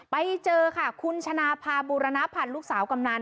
ไปเจอค่ะคุณชนะพาบูรณพันธ์ลูกสาวกำนัน